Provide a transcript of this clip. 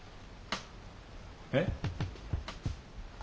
えっ？